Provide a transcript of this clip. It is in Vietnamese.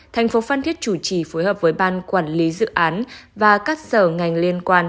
thành phố phan thiết chủ trì phối hợp với ban quản lý dự án và các sở ngành liên quan